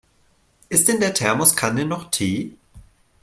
Ist in der Thermoskanne noch Tee?